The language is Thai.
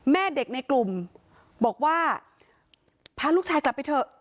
แม่เด็กในกลุ่มบอกว่าพาลูกชายกลับไปเถอะ